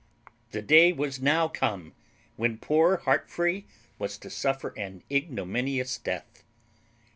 The day was now come when poor Heartfree was to suffer an ignominious death.